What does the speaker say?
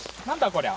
こりゃ。